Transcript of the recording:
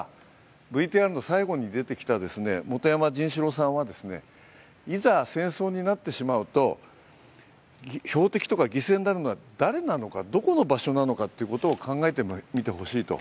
ただ、ＶＴＲの最後に出てきた元山仁士郎さんはいざ戦争になってしまうと標的とか犠牲になるのは誰なのか、どこの場所なのかを考えてみてほしいと。